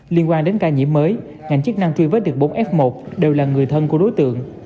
liên quan đến ca nhiễm mới ngành chức năng truy vết được bốn f một đều là người thân của đối tượng